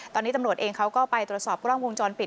ตอนนี้ตำรวจเองเขาก็ไปตรวจสอบกล้องวงจรปิด